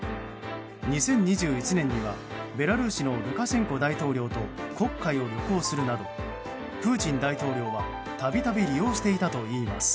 ２０２１年にはベラルーシのルカシェンコ大統領と黒海を旅行するなどプーチン大統領は度々、利用していたといいます。